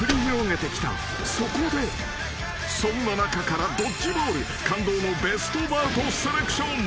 ［そこでそんな中からドッジボール感動のベストバウトセレクション］